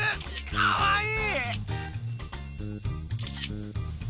かわいい！